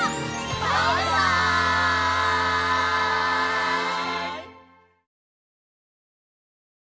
バイバイ！